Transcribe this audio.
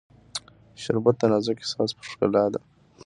شربت د نازک احساس ښکلا ده